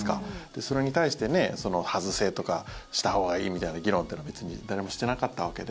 それに対して、外せとかしたほうがいいみたいな議論っていうのは別に誰もしてなかったわけで。